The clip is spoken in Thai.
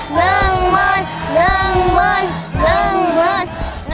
หนึ่งหมื่นหนึ่งหมื่น